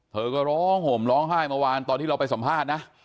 เธอก็ร้องห่มร้องไห้เมื่อวานตอนที่เราไปสัมภาษณ์นะ